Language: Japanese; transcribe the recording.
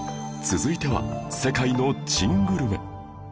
続いては世界の珍グルメ